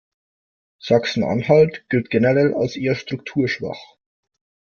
Sachsen-Anhalt gilt generell als eher strukturschwach.